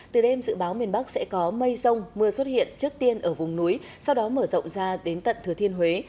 từ đêm dự báo miền bắc sẽ có mây rông mưa xuất hiện trước tiên ở vùng núi sau đó mở rộng ra đến tận thừa thiên huế